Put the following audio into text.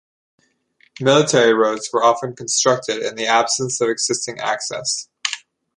Military roads were often constructed in the absence of existing access.